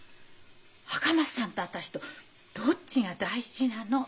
赤松さんと私とどっちが大事なの！？」。